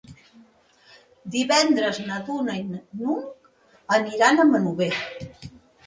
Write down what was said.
Divendres na Duna i n'Hug aniran a Monòver.